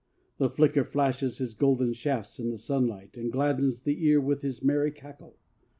The flicker flashes his golden shafts in the sunlight and gladdens the ear with his merry cackle.